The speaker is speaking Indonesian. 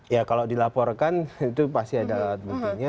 ya kalau dilaporkan itu pasti ada alat buktinya